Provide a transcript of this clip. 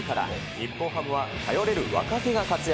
日本ハムは頼れる若手が活躍。